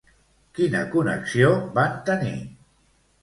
Quina connexió van tenir?